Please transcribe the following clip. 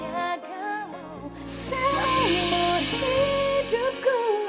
selalu di hidupku